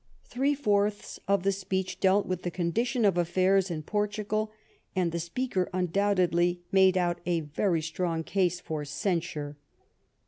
Three fourths of the speech dealt with the condition of afl'airs in Portugal, and the speaker undoubtedly made out a very strong case for censure.